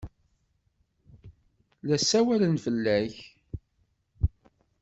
La ssawalen fell-ak.